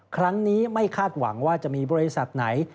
ครั้งนี้ไม่คาดหวังว่าจะมีบริษัทไหน